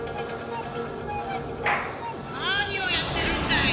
何をやってるんだい！